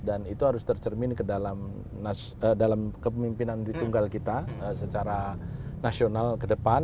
dan itu harus tercermin ke dalam kepemimpinan tunggal kita secara nasional ke depan